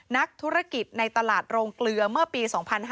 นักธุรกิจในตลาดโรงเกลือเมื่อปี๒๕๕๙